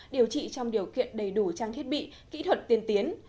điều trị trong điều kiện đầy đủ trang thiết bị kỹ thuật tiên tiến